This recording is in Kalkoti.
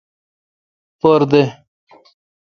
پر دد۔